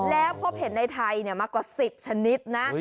แล้วพบเห็นในไทยมากว่า๑๐ชนิดนะ